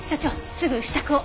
すぐ支度を。